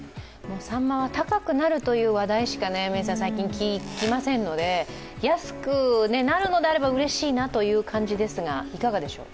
さんまは高くなるという話題しか、最近聞きませんので、安くなるのであればうれしいなという感じですがいかがでしょうか。